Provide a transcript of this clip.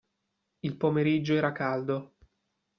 Il pomeriggio era caldo.